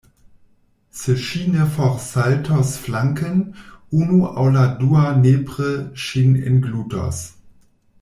Se ŝi ne forsaltos flanken, unu aŭ la dua nepre ŝin englutos.